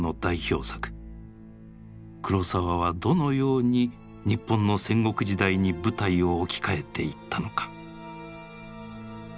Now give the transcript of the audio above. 黒澤はどのように日本の戦国時代に舞台を置き換えていったのか。